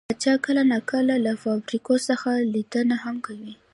پاچا کله نا کله له فابريکو څخه ليدنه هم کوي .